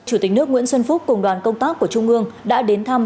chủ tịch nước nguyễn xuân phúc cùng đoàn công tác của trung ương đã đến thăm